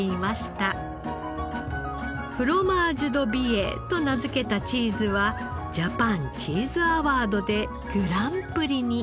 「フロマージュ・ド・美瑛」と名付けたチーズはジャパンチーズアワードでグランプリに。